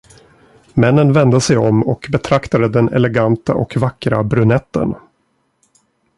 Männen vände sig om och betraktade den eleganta och vackra brunetten.